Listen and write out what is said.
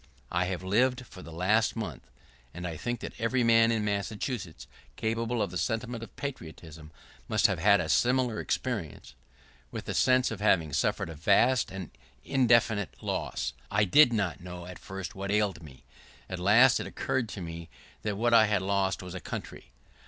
I have lived for the last month — and I think that every man in Massachusetts capable of the sentiment of patriotism must have had a similar experience — with the sense of having suffered a vast and indefinite loss. I did not know at first what ailed me. At last it occurred to me that what I had lost was a country.